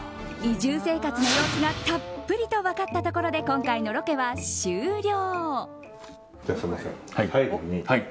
移住生活の様子がたっぷりと分かったところで今回のロケは終了。